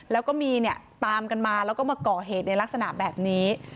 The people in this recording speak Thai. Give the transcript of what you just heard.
แล้วก็มีเนี่ยตามกันมาแล้วก็มาก่อเหตุในลักษณะแบบนี้